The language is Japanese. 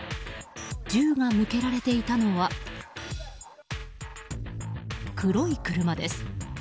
銃が向けられていたのは黒い車です。